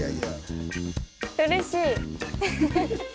うれしい。